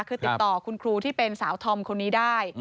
คือติดต่อคุณครูที่เป็นสาวธอมคนนี้ได้